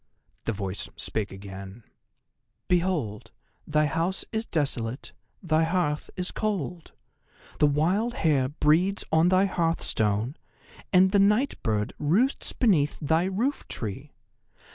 The voice spake again: "Behold, thy house is desolate; thy hearth is cold. The wild hare breeds on thy hearthstone, and the night bird roosts beneath thy roof tree.